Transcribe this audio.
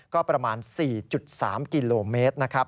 ก็ประมาณ๔๓กิโลเมตรนะครับ